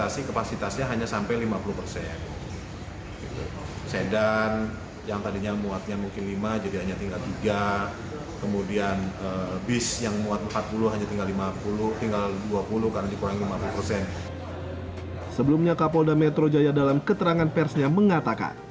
sebelumnya kapolda metro jaya dalam keterangan persnya mengatakan